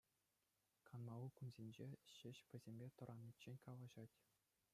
Канмалли кунсенче ҫеҫ вӗсемпе тӑраниччен калаҫать.